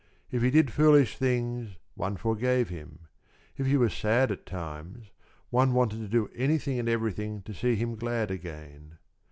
If he did foolish things, one forgave him; if he was sad at times, one wanted to do anything and everything to see him glad again.